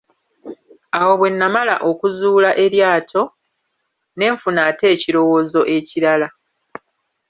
Awo bwe namala okuzuula eryato, ne nfuna ate ekirowoozo ekirala.